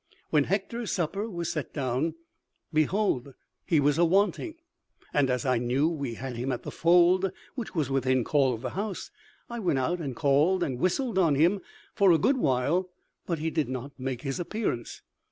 When Hector's supper was set down, behold he was awanting! and as I knew we had him at the fold, which was within call of the house, I went out and called and whistled on him for a good while, but he did not make his appearance.